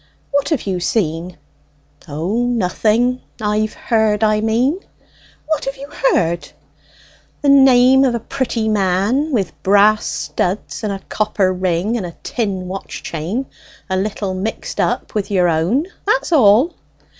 "What have you seen?" "O, nothing; I've heard, I mean!" "What have you heard?" "The name of a pretty man, with brass studs and a copper ring and a tin watch chain, a little mixed up with your own. That's all."